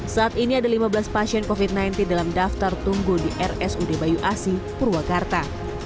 saat ini ada lima belas pasien covid sembilan belas dalam daftar tunggu di rsud bayu asi purwakarta